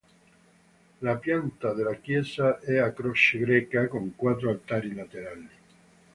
La pianta della chiesa è a croce greca, con quattro altari laterali.